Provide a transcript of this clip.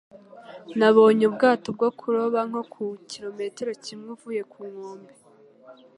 Nabonye ubwato bwo kuroba nko ku kirometero kimwe uvuye ku nkombe.